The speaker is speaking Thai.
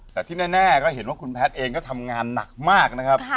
แต่ที่แน่ก็เห็นว่าคุณแพทย์เองก็ทำงานหนักมากนะครับ